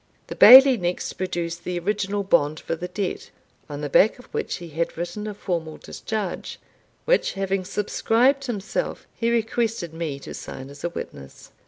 The Bailie next produced the original bond for the debt, on the back of which he had written a formal discharge, which, having subscribed himself, he requested me to sign as a witness.